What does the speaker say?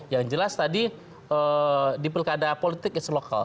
yang jelas tadi di pilkada politik itu lokal